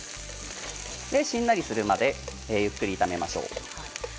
しんなりするまで軽く炒めましょう。